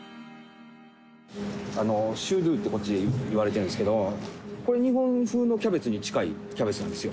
シュードウってこっちでいわれてるんですけど、これ、日本風のキャベツに近いキャベツなんですよ。